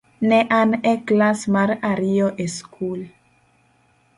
Ne an e klas mar ariyo e skul.